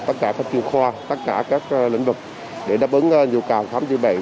tất cả các chuyên khoa tất cả các lĩnh vực để đáp ứng dụ cào khám chữa bệnh